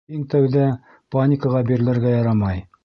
Иң тәүҙә... паникаға бирелергә ярамай.